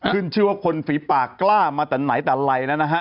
ขึ้นชื่อว่าคนฝีปากกล้ามาแต่ไหนแต่ไรแล้วนะฮะ